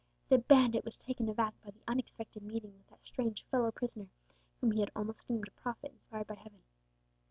The bandit was taken aback by the unexpected meeting with that strange fellow prisoner whom he had almost deemed a prophet inspired by Heaven.